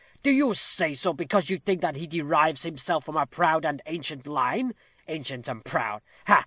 Do you say so, because you think that he derives himself from a proud and ancient line ancient and proud ha, ha!